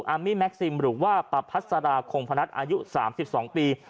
มี่แม็กซิมหรือว่าประพัสราคงพนัทอายุ๓๒ปี